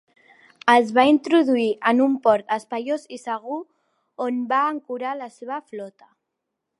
Es va introduir en un port espaiós i segur, on va ancorar la seva flota.